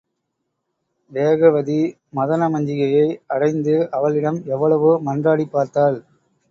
வேகவதி மதனமஞ்சிகையை அடைந்து, அவளிடம் எவ்வளவோ மன்றாடிப் பார்த்தாள்.